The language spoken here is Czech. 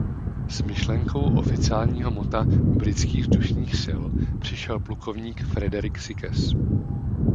S myšlenkou oficiálního motta Britských vzdušných sil přišel plukovník Frederick Sykes.